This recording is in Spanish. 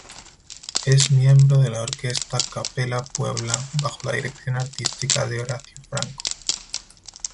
Es miembro de la orquesta ¨Capella Puebla¨, bajo la dirección artística de Horacio Franco.